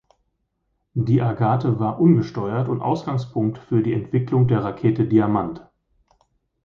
Die Agate war ungesteuert und Ausgangspunkt für die Entwicklung der Rakete Diamant.